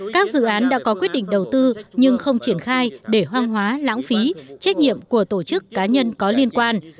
các dự án đã có quyết định đầu tư nhưng không triển khai để hoang hóa lãng phí trách nhiệm của tổ chức cá nhân có liên quan